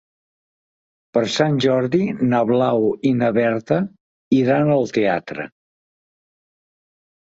Per Sant Jordi na Blau i na Berta iran al teatre.